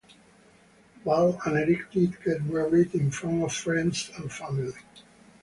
Val and Eric did get married in front of friends and family.